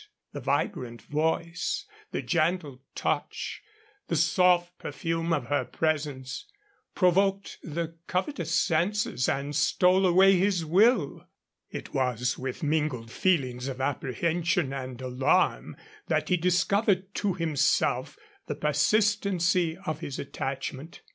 The vibrant voice, the gentle touch, the soft perfume of her presence provoked the covetous senses and stole away his will. It was with mingled feelings of apprehension and alarm that he discovered to himself the persistency of his attachment.